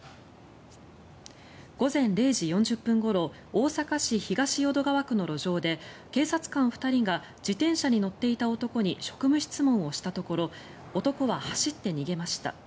午前０時４０分ごろ大阪市東淀川区の路上で警察官２人が自転車に乗っていた男に職務質問をしたところ男は走って逃げました。